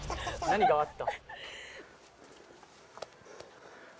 何があった？